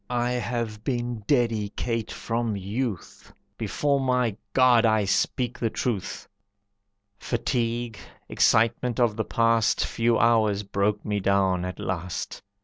I have been dedicate from youth. Before my God I speak the truth!" Fatigue, excitement of the past Few hours broke me down at last.